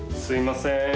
すいません。